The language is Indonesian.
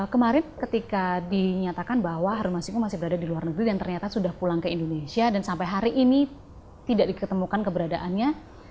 kemarin ketika dinyatakan bahwa harun masiku masih berada di luar negeri dan ternyata sudah pulang ke indonesia dan sampai hari ini tidak diketemukan keberadaannya